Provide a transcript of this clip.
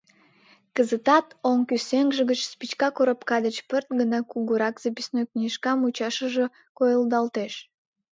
Кызытат оҥ кӱсенже гыч спичка коробка деч пырт гына кугурак записной книжкам мучашыже койылдалеш.